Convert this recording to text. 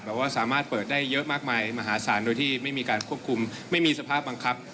ว่าสามารถเปิดได้เยอะมากมายมหาศาลโดยที่ไม่มีการควบคุมไม่มีสภาพบังคับ